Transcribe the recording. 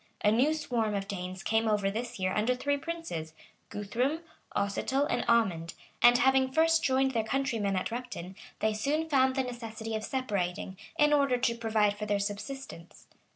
A new swarm of Danes came over this year under three princes, Guthrum, Oscitel, and Amund; and having first joined their countrymen at Repton, they soon found the necessity of separating, in order to provide for their subsistence.